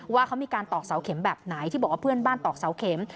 ว่าเขามีการตอกเสาเข็มแบบไหนที่บอกว่าเพื่อนบ้านตอกเสาเข็ม